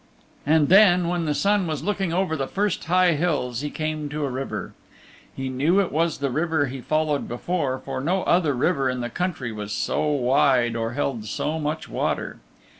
And then, when the sun was looking over the first high hills he came to a river. He knew it was the river he followed before, for no other river in the country was so wide or held so much water.